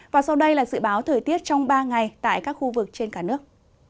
và sau đây là dự báo thời tiết trong ba ngày tại các khu vực trên cả nước